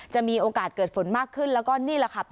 จะมีโอกาสเกิดฝนมากขึ้นแล้วก็นี่แหละค่ะ